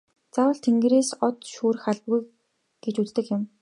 Заавал тэнгэрээс од шүүрэх албагүй гэж үздэг юм.